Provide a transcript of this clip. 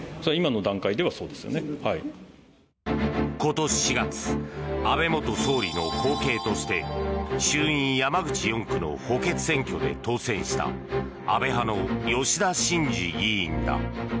今年４月安倍元総理の後継として衆院山口４区の補欠選挙で当選した安倍派の吉田真次議員だ。